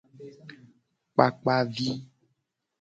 Kpakpa vi.